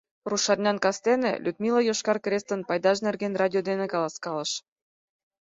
Рушарнян, кастене, Людмила Йошкар Крестын пайдаж нерген радио дене каласкалыш.